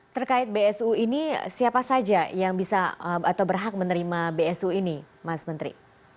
terkait bsu ini siapa saja yang bisa atau berhak menerima bsu ini mas menteri